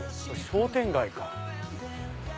商店街か。